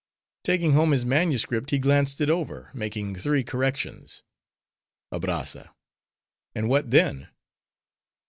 Taking home his manuscript, he glanced it over; making three corrections. ABRAZZA—And what then?